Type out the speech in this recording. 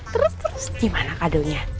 terus terus gimana kadonya